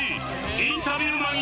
インタビューマン